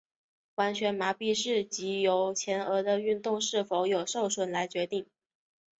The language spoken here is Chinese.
完全麻痹是藉由前额的运动是否有受损来决定。